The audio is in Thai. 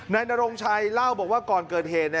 นายนรงชัยเล่าบอกว่าก่อนเกิดเหตุ